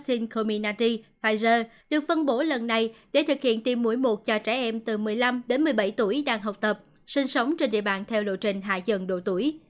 sở y tế của minari pfizer được phân bổ lần này để thực hiện tiêm mũi một cho trẻ em từ một mươi năm đến một mươi bảy tuổi đang học tập sinh sống trên địa bàn theo lộ trình hạ dần độ tuổi